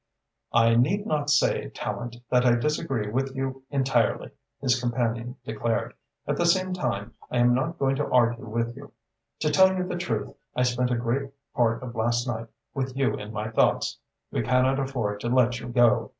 "I need not say, Tallente, that I disagree with you entirely," his companion declared. "At the same time, I am not going to argue with you. To tell you the truth, I spent a great part of last night with you in my thoughts. We cannot afford to let you go.